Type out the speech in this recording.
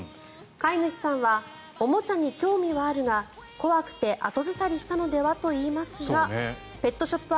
飼い主さんはおもちゃに興味はあるが怖くて後ずさりしたのではといいますがペットショップ